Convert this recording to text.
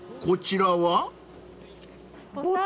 こちらは？］